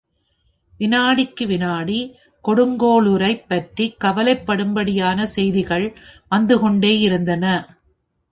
விநாடிக்கு விநாடி கொடுங்கோளுரைப் பற்றிக் கவலைப் படும்படியான செய்திகள் வந்துகொண்டே இருந்தன.